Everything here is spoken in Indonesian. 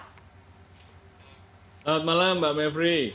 selamat malam mbak mepri